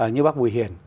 như bác bùi hiền